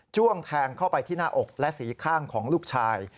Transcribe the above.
้วงแทงเข้าไปที่หน้าอกและสีข้างของลูกชาย